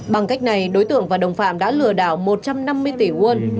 bằng cách này đối tượng và đồng phạm đã lừa đảo một trăm năm mươi tỷ won